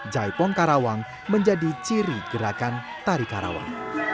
jaipong karawang menjadi ciri gerakan tari karawang